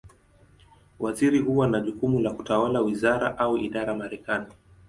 Waziri huwa na jukumu la kutawala wizara, au idara Marekani.